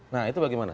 nah itu bagaimana